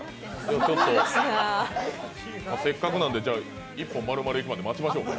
せっかくなんで１本丸々いくまで待ちましょうか。